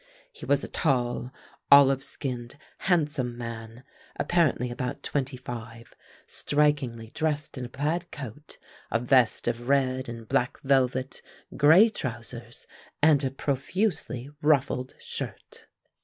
He was a tall, olive skinned, handsome man, apparently about twenty five, strikingly dressed in a plaid coat, a vest of red and black velvet, gray trousers, and a profusely ruffled shirt.